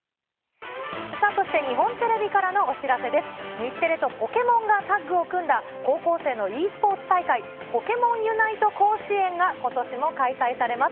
日テレとポケモンがタッグを組んだ高校生のｅスポーツ大会、ポケモンユナイト甲子園がことしも開催されます。